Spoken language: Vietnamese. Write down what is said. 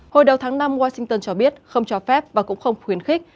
hồi đầu tháng năm washington cho biết không cho phép và cũng không khuyến khích